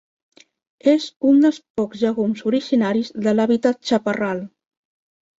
És un dels pocs llegums originaris de l'hàbitat chaparral.